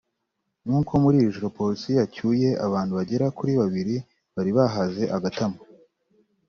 nko muri iri joro Polisi yacyuye abantu bagera kuri babiri bari bahaze agatama